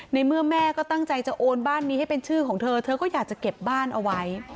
ในเมื่อแม่ก็ตั้งใจจะโอนบ้านนี้ให้เป็นชื่อของเธอเธอก็อยากจะเก็บบ้านเอาไว้